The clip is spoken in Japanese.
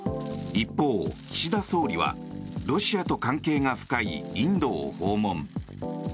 一方、岸田総理はロシアと関係が深いインドを訪問。